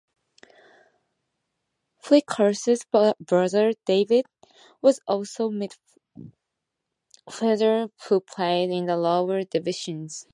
Flitcroft's brother David was also a midfielder who played in the lower divisions.